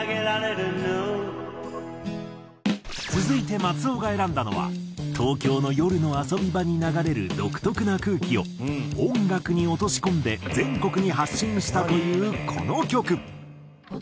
続いて松尾が選んだのは東京の夜の遊び場に流れる独特な空気を音楽に落とし込んで全国に発信したというこの曲。